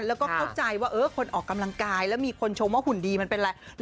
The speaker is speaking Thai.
แล้วก็เข้าใจว่าคนออกกำลังกายแล้วมีคนชมว่าหุ่นดีมันเป็นอะไร